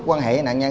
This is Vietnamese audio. quan hệ với nạn nhân